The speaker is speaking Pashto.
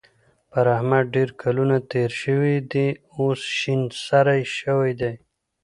پر احمد ډېر کلونه تېر شوي دي؛ اوس شين سری شوی دی.